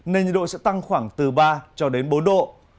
nên nhiệt độ sẽ tăng khoảng từ ba bốn độ